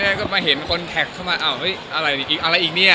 ก็มาเห็นคนแท็กเข้ามาอ้าวเฮ้ยอะไรอีกอะไรอีกเนี่ย